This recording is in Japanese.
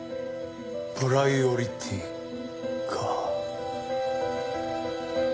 プライオリティか。